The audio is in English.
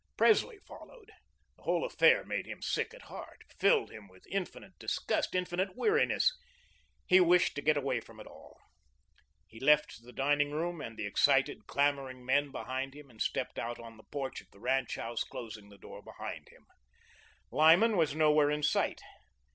Presley followed. The whole affair made him sick at heart, filled him with infinite disgust, infinite weariness. He wished to get away from it all. He left the dining room and the excited, clamouring men behind him and stepped out on the porch of the ranch house, closing the door behind him. Lyman was nowhere in sight.